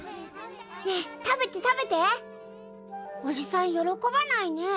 ねえ食べて食べておじさん喜ばないね